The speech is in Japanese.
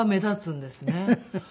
フフフフ。